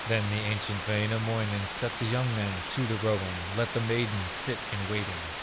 Then the ancient Wainamoinen Set the young men to the rowing, Let the maidens sit in waiting.